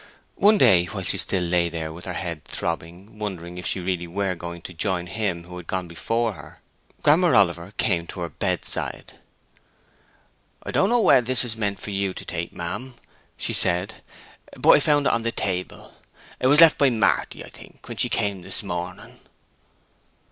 One day, while she still lay there with her head throbbing, wondering if she were really going to join him who had gone before, Grammer Oliver came to her bedside. "I don't know whe'r this is meant for you to take, ma'am," she said, "but I have found it on the table. It was left by Marty, I think, when she came this morning."